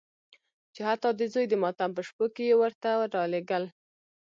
چې حتی د زوی د ماتم په شپو کې یې ورته رالېږل.